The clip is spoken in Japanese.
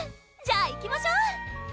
じゃあいきましょう！